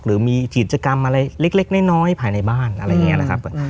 หรือมีกิจกรรมอะไรเล็กน้อยภายในบ้านอะไรอย่างนี้นะครับ